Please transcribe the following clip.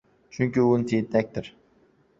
chunki u tentakdir.